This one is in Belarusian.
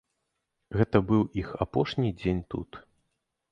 Гэта быў іх апошні дзень тут.